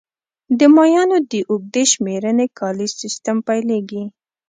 د مایانو د اوږدې شمېرنې کالیز سیستم پیلېږي